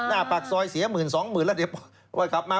หน้าปากซอยเสียหมื่นสองหมื่นแล้วเดี๋ยวปล่อยขับมา